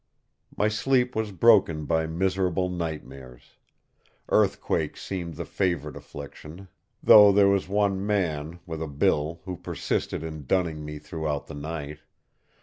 My sleep was broken by miserable nightmares. Earthquake seemed the favourite affliction, though there was one man, with a bill, who persisted in dunning me throughout the night.